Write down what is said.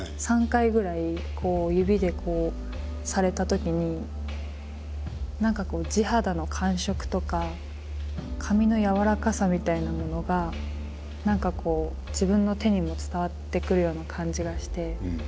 ３回ぐらい指でこうされたときに何かこう地肌の感触とか髪の柔らかさみたいなものが何かこう自分の手にも伝わってくるような感じがして。